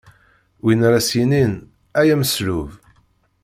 Win ara s-yinin: Ay ameslub!